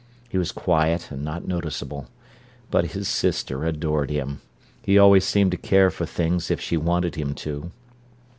He was quiet and not noticeable. But his sister adored him. He always seemed to care for things if she wanted him to.